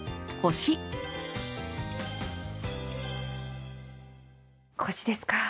腰ですか。